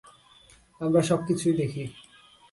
আমরা সবকিছুই দেখি।